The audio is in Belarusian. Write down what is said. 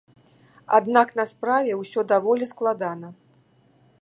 Аднак на справе ўсё даволі складана.